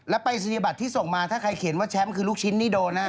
แล้วไปสัญญาบัตรที่ส่งมาถ้าใครเขียนว่าแชมป์คือลูกชิ้นนี่โดนนะครับ